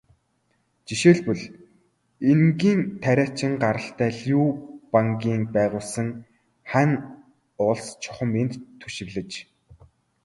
Жишээлбэл, энгийн тариачин гаралтай Лю Бангийн байгуулсан Хань улс чухам энд түшиглэж зөвтгөгдсөн гэдэг.